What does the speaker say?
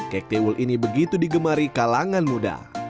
kek tiwul ini begitu digemari kalangan muda